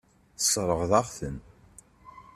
Tesseṛɣeḍ-aɣ-ten.